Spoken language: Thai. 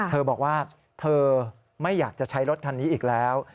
เธอบอกว่าเธอไม่อยากจะใช้รถคันนี้อีกแล้ว